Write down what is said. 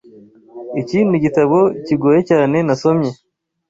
Iki nigitabo kigoye cyane nasomye.